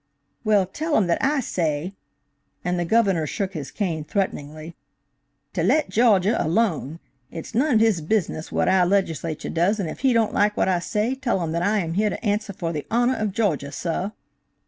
"Well, tell him that I say," and the Governor shook his cane threateningly, "to let Gawjah alone. It's none of his business what our Legislature does, and if he don't like what I say, tell him that I am here to answer for the honah of Gawjah, suh!"